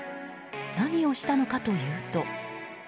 何をしたのかというと。